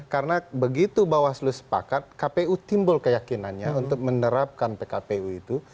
karena begitu bahwa selesai sepakat kpu timbul keyakinannya untuk menerapkan pkpu itu